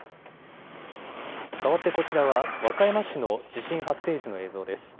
かわってこちらは和歌山市の地震発生時の映像です。